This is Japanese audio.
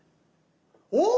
お！